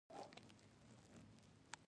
د نجلۍ سور پوړني ، پر سر، څپې څپې شو